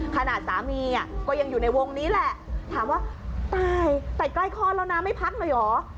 สามีก็ยังอยู่ในวงนี้แหละถามว่าตายตายใกล้คลอดแล้วนะไม่พักเลยเหรอ